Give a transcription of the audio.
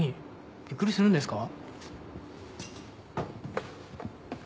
びっくりするんですか？